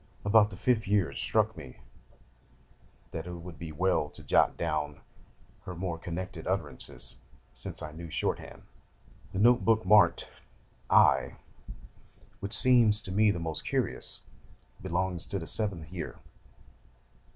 About the fifth year it struck me that it would be well to jot down her more connected utterances, since I knew shorthand. The note book marked "I.," which seems to me the most curious, belongs to the seventh year.